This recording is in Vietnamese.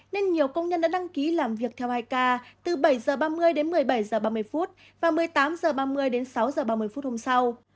nên nhiều công nhân đã đăng ký làm việc theo hai k từ bảy h ba mươi đến một mươi bảy h ba mươi và một mươi tám h ba mươi đến sáu h ba mươi phút hôm sau